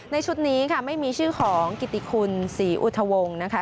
ชุดนี้ค่ะไม่มีชื่อของกิติคุณศรีอุทธวงศ์นะคะ